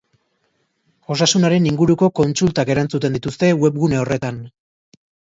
Osasunaren inguruko kontsultak erantzuten dituzte webgune horretan.